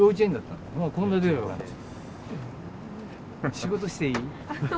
仕事していい？